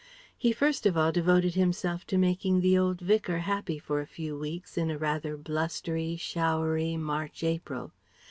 He first of all devoted himself to making the old Vicar happy for a few weeks in a rather blustery, showery March April.